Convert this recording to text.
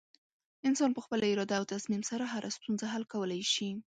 انسان په خپله اراده او تصمیم سره هره ستونزه حل کولی شي.